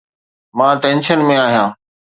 مان ٽينشن ۾ آهيان